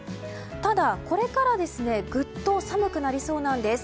ただ、これからぐっと寒くなりそうなんです。